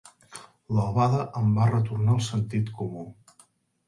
L'albada em va retornar el sentit comú.